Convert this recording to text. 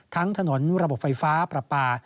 ทั้งถนนระบบไฟฟ้าปรับปลา